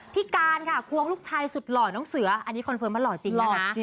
การค่ะควงลูกชายสุดหล่อน้องเสืออันนี้คอนเฟิร์มว่าหล่อจริงแล้วนะ